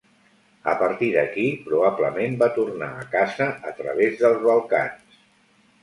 A partir d'aquí, probablement, va tornar a casa a través dels Balcans.